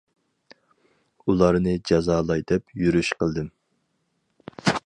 ئۇلارنى جازالاي دەپ يۈرۈش قىلدىم.